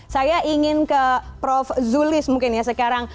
saya ingin ke prof zulis mungkin ya sekarang